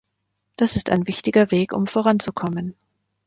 Das ist ein wichtiger Weg, um voranzukommen.